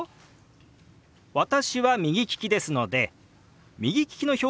私は右利きですので右利きの表現で説明しますよ。